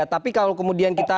tapi kalau kemudian kita